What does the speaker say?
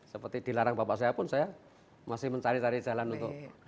seperti dilarang bapak saya pun saya masih mencari cari jalan untuk